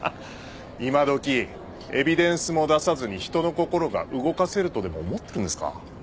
今どきエビデンスも出さずに人の心が動かせるとでも思ってるんですか。